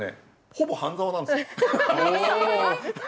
ほぼ「半沢」なんです。